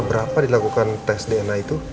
berapa dilakukan tes dna itu